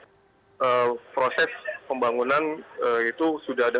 jadi proses pembangunan itu sudah ada